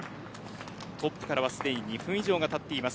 トップからは２分以上がたっています。